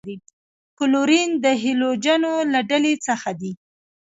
کلورین د هلوجنو له ډلې څخه دی.